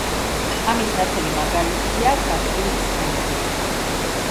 ამის ნათელი მაგალითა გაცვლილი ცხენები.